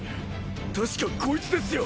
確かこいつですよ。